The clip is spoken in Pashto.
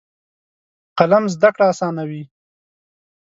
قلم زده کړه اسانوي.